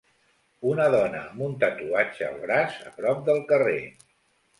Una dona amb un tatuatge al braç a prop del carrer.